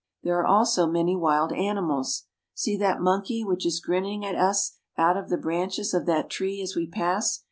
There are also many wild animals. See that monkey which is grinning at us out of the branches of that tree as we pass.